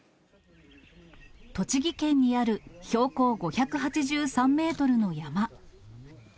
栃木県にある標高５８３メートルの山。